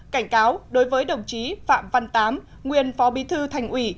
cảnh cáo đối với đồng chí phạm văn tám nguyên phó bí thư thành ủy